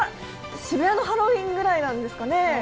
渋谷のハロウィーンぐらいなんですかね？